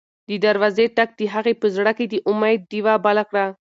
د دروازې ټک د هغې په زړه کې د امید ډېوه بله کړه.